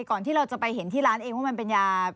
ที่เราจะไปเห็นที่ร้านเองว่ามันเป็นยา